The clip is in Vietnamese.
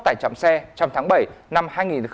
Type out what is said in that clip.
tại trạm xe trong tháng bảy năm hai nghìn một mươi bảy